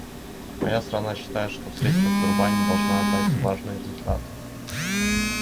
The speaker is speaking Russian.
Моя страна считает, что встреча в Дурбане должна дать важные результаты.